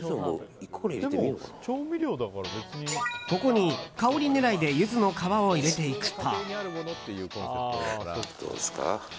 ここに、香り狙いでユズの皮を入れていくと。